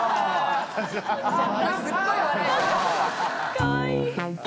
かわいい。